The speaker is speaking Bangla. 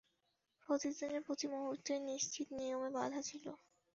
প্রতিদিনের প্রতি মুহূর্তই নিশ্চিত নিয়মে বাঁধা ছিল।